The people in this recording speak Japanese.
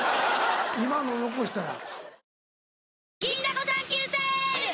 今の残したら。